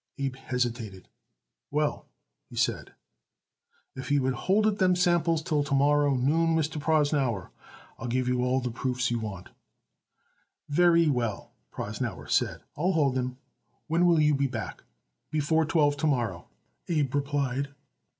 Abe hesitated. "Well," he said, "if you would hold it them samples till to morrow noon, Mr. Prosnauer, I'll give you all the proofs you want." "Very well," Prosnauer said, "I'll hold them. When will you be back?" "Before twelve to morrow," Abe replied.